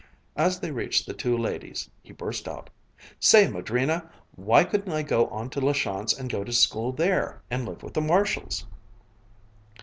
As they reached the two ladies, he burst out, "Say, Madrina, why couldn't I go on to La Chance and go to school there, and live with the Marshalls?"